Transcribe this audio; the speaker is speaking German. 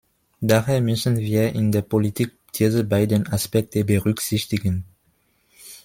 Daher müssen wir in der Politik diese beiden Aspekte berücksichtigen.